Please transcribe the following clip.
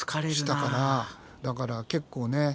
だから結構ね植物